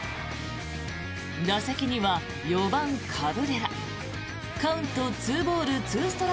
打席には４番、カブレラ。